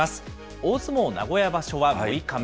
大相撲名古屋場所は６日目。